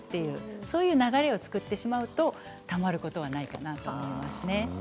そういう流れを作ってしまうとたまることはないかなと思いますね。